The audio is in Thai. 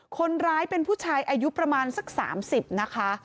คนร้ายเป็นผู้ชายอายุประมาณสัก๓๐นะคะ